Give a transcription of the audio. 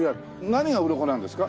何が「うろこ」なんですか？